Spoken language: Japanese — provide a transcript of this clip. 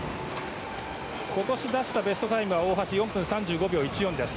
今年出したベストタイム大橋、４分３５秒１４です。